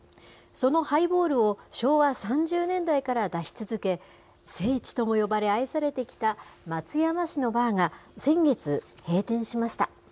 そのハイボールを昭和３０年代から出し続け、聖地とも呼ばれ愛されてきた、松山市のバーが先月、閉店しました。